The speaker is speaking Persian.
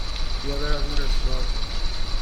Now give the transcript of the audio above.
بیا برویم رستوران.